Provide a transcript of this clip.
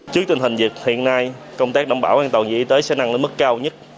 trước tình hình việc hiện nay công tác đảm bảo an toàn y tế sẽ năng lên mức cao nhất